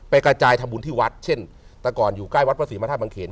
ไปกระจายทำบุญที่วัดเช่นแต่ก่อนอยู่ใกล้วัดประสิทธิ์มธาตุบังเกณฑ์